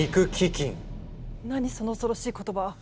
何その恐ろしい言葉。